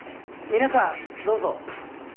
皆さんどうぞ。